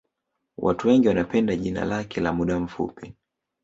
Watu wengi wanapenda jina lake la muda mfupi